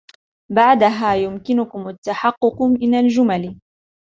بعدها يمكنكم التحقق من الجمل.